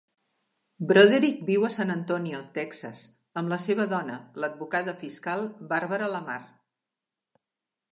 Broderick viu a San Antonio, Texas, amb la seva dona, l'advocada fiscal Barbara Lamar.